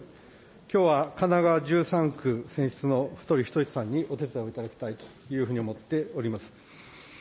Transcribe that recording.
きょうは神奈川１３区選出のにお手伝いをいただきたいというふうに思っております。